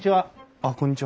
あっこんにちは。